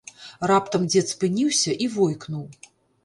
Раптам дзед спыніўся і войкнуў.